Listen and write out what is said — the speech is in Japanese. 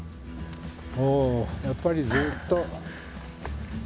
おやっぱりずっと。